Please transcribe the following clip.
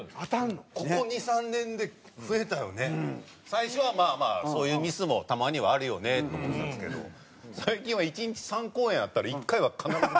最初はまあまあそういうミスもたまにはあるよねと思ってたんですけど最近は１日３公演あったら１回は必ず。